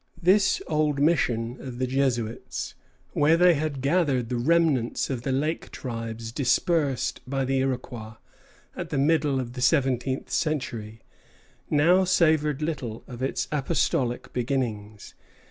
This old mission of the Jesuits, where they had gathered the remnants of the lake tribes dispersed by the Iroquois at the middle of the seventeenth century, now savored little of its apostolic beginnings.